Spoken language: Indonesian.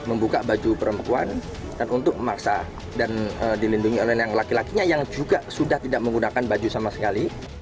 membuka baju perempuan dan untuk memaksa dan dilindungi oleh yang laki lakinya yang juga sudah tidak menggunakan baju sama sekali